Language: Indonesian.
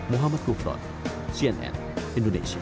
muhammad kufron cnn indonesia